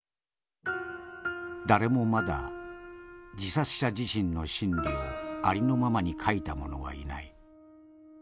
「誰もまだ自殺者自身の心理をありのままに書いた者はいない。